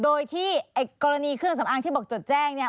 โดยที่ไอ้กรณีเครื่องสำอางที่บอกจดแจ้งเนี่ย